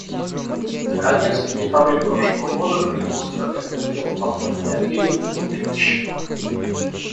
Наконец, в декабре прошлого года производство этого дела по просьбе обеих было прекращено.